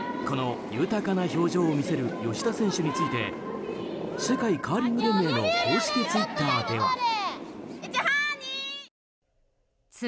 この豊かな表情を見せる吉田選手について世界カーリング連盟の公式ツイッターでは。